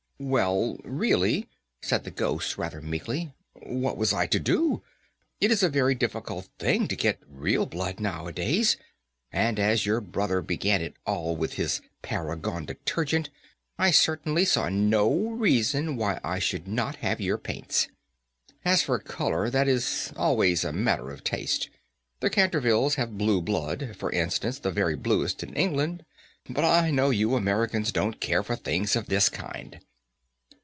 "Well, really," said the Ghost, rather meekly, "what was I to do? It is a very difficult thing to get real blood nowadays, and, as your brother began it all with his Paragon Detergent, I certainly saw no reason why I should not have your paints. As for colour, that is always a matter of taste: the Cantervilles have blue blood, for instance, the very bluest in England; but I know you Americans don't care for things of this kind."